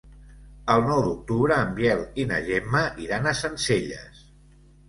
El nou d'octubre en Biel i na Gemma iran a Sencelles.